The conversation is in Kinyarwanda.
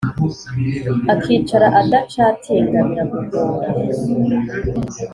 akicara adacatinga biramugora